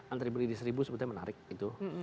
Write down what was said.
antri beli di seribu sebetulnya menarik gitu